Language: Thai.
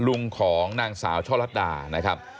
ลุงของนางสาวช่อลัดดานะครับ